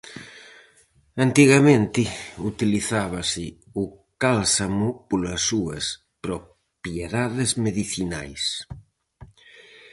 Antigamente utilizábase o cálsamo polas súas propiedades medicinais.